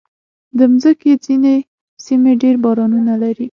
د مځکې ځینې سیمې ډېر بارانونه لري.